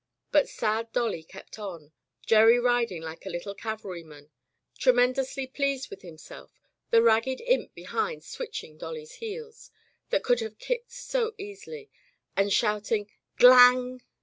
But sad Dolly kept on, Gerry riding like a little cavalryman, tremendously pleased with himself, die ragged imp be hind switching Dolly's heels — that could have kicked so easily — ^and shouting, "Glang!'